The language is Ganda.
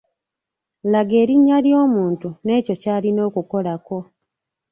Laga erinnya ly'omuntu n'ekyo ky'alina okukokola.